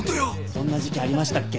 そんな時期ありましたっけ？